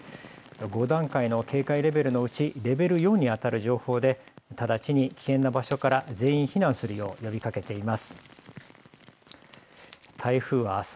５段階の警戒レベルのうちレベル４にあたる情報で直ちに危険な場所から全員避難するよう呼びかけています。